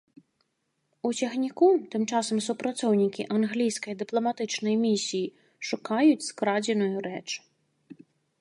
У цягніку тым часам супрацоўнікі англійскай дыпламатычнай місіі шукаюць скрадзеную рэч.